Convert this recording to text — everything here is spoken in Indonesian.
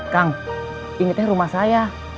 kang ini rumah saya